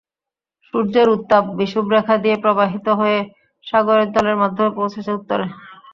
সূর্যের উত্তাপ বিষুবরেখা দিয়ে প্রবাহিত হয়ে সাগরের জলের মাধ্যমে পৌঁছাচ্ছে উত্তরে।